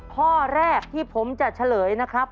ข้อแรกที่ผมจะเฉลยนะครับ